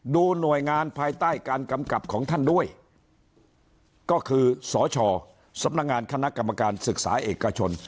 ดูหน่วยงานภายใต้การกำกับของท่านด้วยก็คือสชสำนักงานคณะกรรมการศึกษาเอกชน